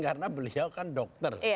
karena beliau kan dokter